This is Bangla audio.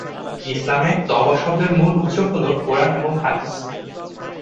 ইসলামে তওবা শব্দের মূল উৎস হল কুরআন এবং হাদিস।